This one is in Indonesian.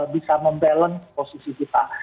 bisa membalance posisi kita